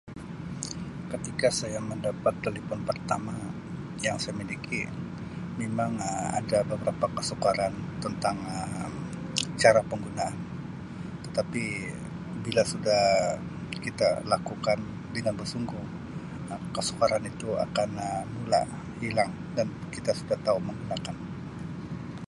Ketika saya mendapat telefon pertama yang saya miliki memang Um ada beberapa kesukaran tentang Um cara penggunaan tetapi bila sudah kita lakukan dengan bersungguh kesukaran itu akan Um mula hilang dan kita sudah tau menggunakan.